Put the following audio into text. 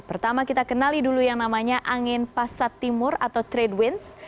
pertama kita kenali dulu yang namanya angin pasat timur atau trade winds